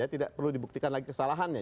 tidak perlu dibuktikan lagi kesalahannya